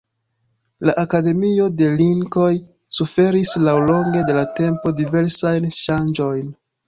La Akademio de Linkoj suferis laŭlonge de la tempo diversajn ŝanĝojn.